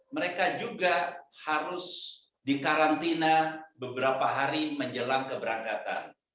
mereka juga harus dikarantina beberapa hari menjelang keberangkatan